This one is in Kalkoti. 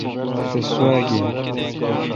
تس سوا گین۔